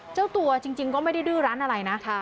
เจ้าตัวจริงก็ไม่ได้ดื้อร้านอะไรนะ